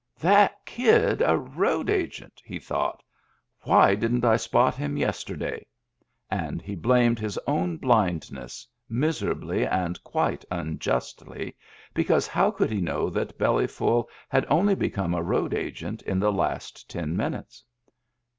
" That kid a road agent !" he thought. " Why didn't I spot him yesterday ?" And he blamed his own blindness, miserably and quite unjustly, because how could he know that Bellyful had only become a road agent in the last ten minutes